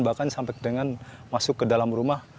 bahkan sampai dengan masuk ke dalam rumah